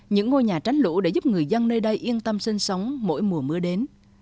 những ngôi nhà tránh lũ để giúp người dân nơi đây yên tâm sinh sống mỗi mùa mưa đến